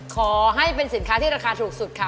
ขอให้เป็นสินค้าที่ราคาถูกสุดค่ะ